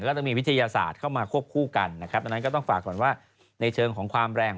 แล้วก็ต้องมีวิทยาศาสตร์เข้ามาควบคู่กันนะครับดังนั้นก็ต้องฝากว่า